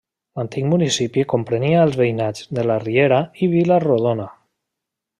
L’antic municipi comprenia els veïnats de la Riera i Vila-rodona.